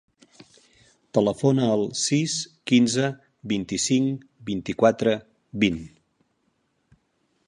Telefona al sis, quinze, vint-i-cinc, vint-i-quatre, vint.